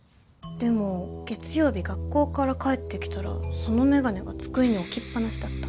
でも月曜日学校から帰ってきたらその眼鏡が机に置きっぱなしだった。